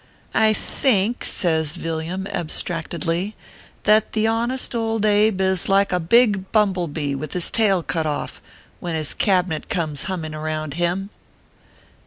I think/ says Villiam, abstractedly, " that the Honest Old Abe is like a big bumble bee with his tail cut off, when his Cabinet comes humming around him."